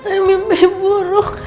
saya mimpi buruk